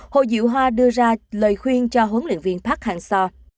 hồ dịu hoa đưa ra lời khuyên cho huấn luyện viên phát hang seo